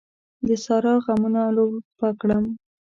د سارا غمونو لولپه کړم.